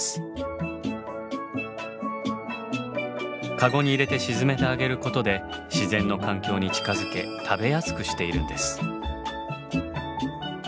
カゴに入れて沈めてあげることで自然の環境に近づけ食べやすくしているんです。